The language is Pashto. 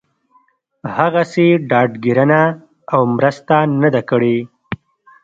هغسې ډاډ ګيرنه او مرسته نه ده کړې